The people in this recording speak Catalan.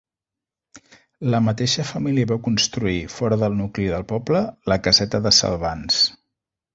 La mateixa família va construir, fora del nucli del poble, la caseta de Salvans.